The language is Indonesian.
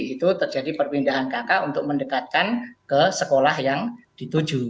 itu terjadi perpindahan kakak untuk mendekatkan ke sekolah yang dituju